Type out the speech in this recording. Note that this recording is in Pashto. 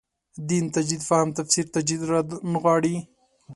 دین تجدید فهم تفسیر تجدید رانغاړي.